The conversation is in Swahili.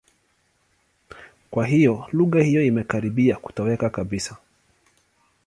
Kwa hiyo, lugha hiyo imekaribia kutoweka kabisa.